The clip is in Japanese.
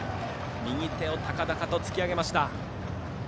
右手を高々と突き上げました。